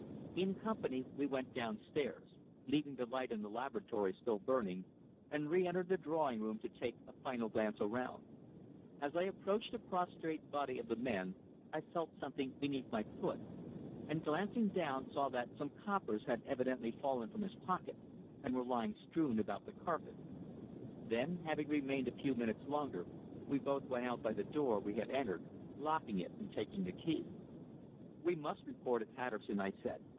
In company we went downstairs, leaving the light in the laboratory still burning, and re entered the drawing room to take a final glance around. As I approached the prostrate body of the man I felt something beneath my foot, and glancing down saw that some coppers had evidently fallen from his pocket and were lying strewn about the carpet. Then, having remained a few minutes longer, we both went out by the door we had entered, locking it and taking the key. "We must report it, Patterson," I said.